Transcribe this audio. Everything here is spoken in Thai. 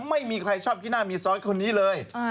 ไม่มีใครชอบกี้หน้ามีซ้อยคนนี้เลย